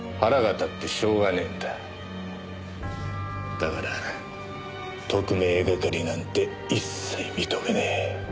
だから特命係なんて一切認めねえ。